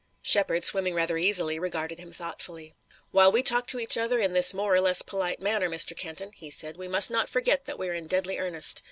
Shepard, swimming rather easily, regarded him thoughtfully. "While we talk to each other in this more or less polite manner, Mr. Kenton," he said, "we must not forget that we're in deadly earnest.